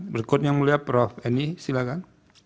berikut yang mulia prof eni silakan